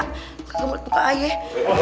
gampang banget buka ayah